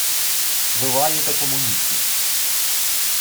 Ви лаєте комуністів